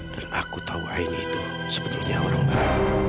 dan aku tahu aini itu sebetulnya orang baru